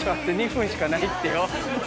２分しかないってよ。